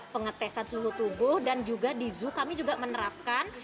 pengetesan suhu tubuh dan juga di zoo kami juga menerapkan